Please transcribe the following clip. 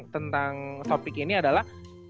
tentang topik ini adalah